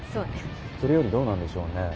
それよりどうなんでしょうね？